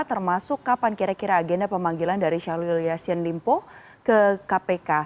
termasuk kapan kira kira agenda pemanggilan dari syahrul yassin limpo ke kpk